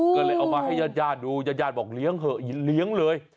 ก็เลยเอามาให้ญาติดูญาติบอกเลี้ยงเหอะเลี้ยงเลย